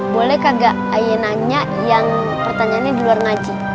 boleh kagak nanya yang pertanyaannya di luar ngaji